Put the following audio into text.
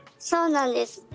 そうなんです。